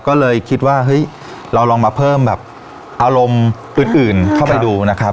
ก็เลยคิดว่าเฮ้ยเราลองมาเพิ่มแบบอารมณ์อื่นเข้าไปดูนะครับ